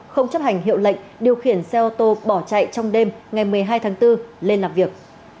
không chấp hành hiệu lệnh điều khiển xe ô tô bỏ chạy trong đêm ngày một mươi hai tháng bốn lên làm việc